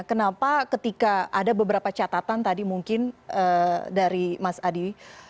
kenapa ketika ada beberapa catatan tadi mungkin dari mas adi